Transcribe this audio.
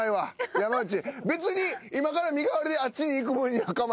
山内別に今から身代わりであっちに行く分には構へんやん。